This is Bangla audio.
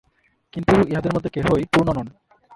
কিন্তু ইঁহাদের মধ্যে কেহই পূর্ণ নন।